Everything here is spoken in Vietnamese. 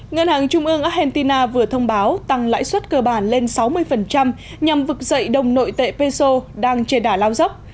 ngân hàng trung ương argentina vừa thông báo tăng lãi suất cơ bản lên sáu mươi nhằm vực dậy đồng nội tệ peso đang trên đảo lao dốc